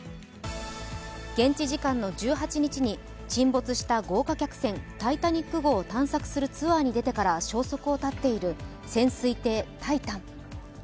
現地時間の１８日に沈没した豪華客船「タイタニック」号を探索するツアーに出てから消息を絶っている潜水艇「タイタン」。